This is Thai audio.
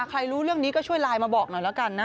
ใครรู้เรื่องนี้ก็ช่วยไลน์มาบอกหน่อยแล้วกันนะ